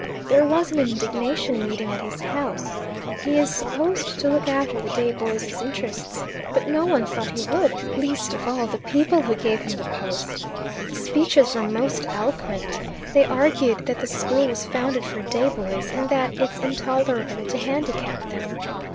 There was an indignation meeting at his house. He is supposed to look after the day boys' interests, but no one thought he would least of all the people who gave him the post. The speeches were most eloquent. They argued that the school was founded for day boys, and that it's intolerable to handicap them.